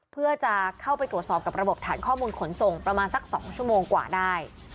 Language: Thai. เพื่อจะเข้าไปตรวจสอบกับระบบฐานข้อมูลขนส่งประมาณสัก๒ชั่วโมงกว่าได้